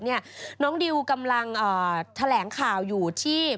น้องดิวกำลังแถลงข่าวอยู่ที่